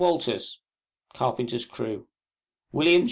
WALTERS, Carpenter's Crew. WM.